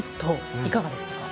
いかがでしたか？